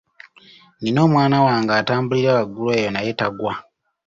Nina omwana wange atambulira waggulu eyo naye tagwa.